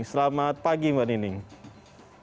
selamat pagi mbak iqbal